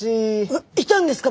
わっいたんですか？